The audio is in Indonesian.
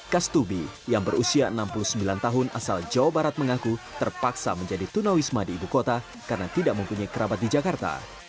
kastubi yang berusia enam puluh sembilan tahun asal jawa barat mengaku terpaksa menjadi tunawisma di ibu kota karena tidak mempunyai kerabat di jakarta